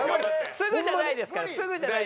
すぐじゃないですから。